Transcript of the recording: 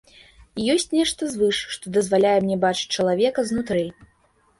І ёсць нешта звыш, што дазваляе мне бачыць чалавека знутры.